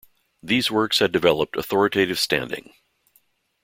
These works had developed authoritative standing.